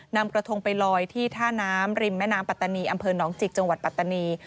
นำกระทงไปลอยที่ท่าน้ำริมแม่น้ำปัตตานีอำเภอหนองจิกจังหวัดปัตตานี